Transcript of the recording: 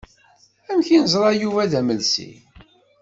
Amek i neẓra Yuba d amelsi?